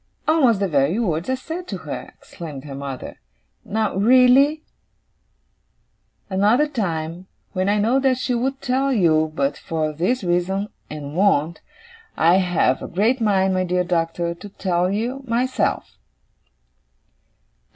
'Almost the very words I said to her!' exclaimed her mother. 'Now really, another time, when I know what she would tell you but for this reason, and won't, I have a great mind, my dear Doctor, to tell you myself.